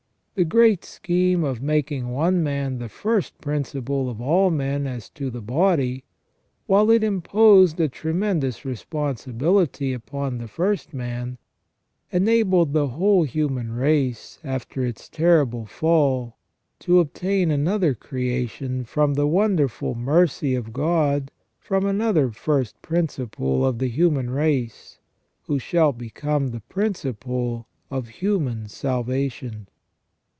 The great scheme of making one man the first principle of all men as to the body, whilst it imposed a tremendous responsibility upon the first man, enabled the whole human race after its terrible fall to obtain another creation from the wonderful mercy of God from another first principle of the human race, who shall become the principle of human salvation.